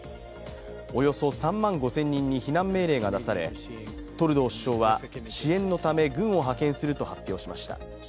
およそ３万５０００人に避難命令が出されトルドー首相は、支援のため軍を派遣すると発表しました。